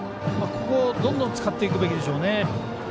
ここ、どんどん使っていくべきでしょうね。